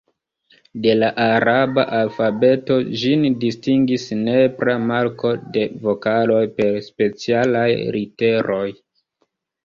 De la araba alfabeto ĝin distingis nepra marko de vokaloj per specialaj literoj.